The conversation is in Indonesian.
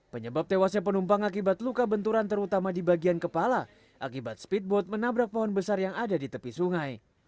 penyebab tewasnya penumpang akibat luka benturan terutama di bagian kepala akibat speedboat menabrak pohon besar yang ada di tepi sungai